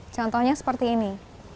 contohnya seperti ini